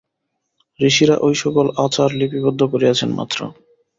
ঋষিরা ঐ সকল আচার লিপিবদ্ধ করিয়াছেন মাত্র।